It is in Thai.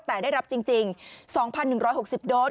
แต่ได้รับจริง๒๑๖๐โดส